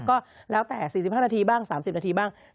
ก็แล้วแต่๔๕นาทีบ้าง๓๐นาทีบ้าง